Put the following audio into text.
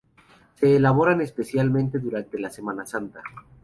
Se elaboran especialmente durante la Semana Santa.